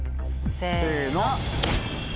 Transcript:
せの！